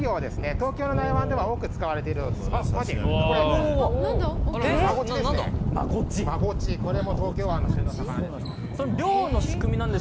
東京の内湾では多く使われている漁です。